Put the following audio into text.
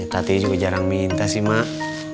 tati juga jarang minta sih mak